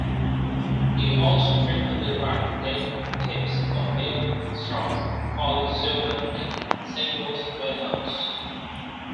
He also frequently writes dating tips for Neil Strauss, Carlos Xuma, and Singles Warehouse.